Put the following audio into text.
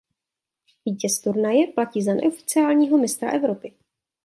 Vítěz turnaje platí za neoficiálního mistra Evropy.